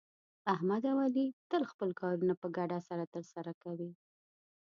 احمد او علي تل خپل کارونه په ګډه سره ترسه کوي.